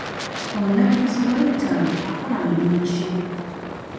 Omubalirizi w'ebitabo akola mulimu ki?